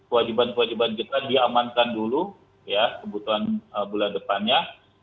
wajib wajib budget nya diamankan dulu ya kebutuhan bulan depannya